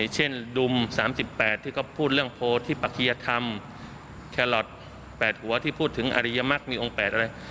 เช่นดุม๓๘ที่เขาพูดเรื่องโพธิปคียธรรมแคลอท๘หัวที่พูดถึงอริยมักมีองค์๘อะไร